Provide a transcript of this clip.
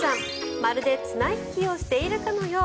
まるで綱引きをしているかのよう。